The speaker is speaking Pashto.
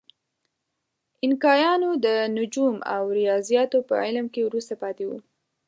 اینکایانو د نجوم او ریاضیاتو په علم کې وروسته پاتې وو.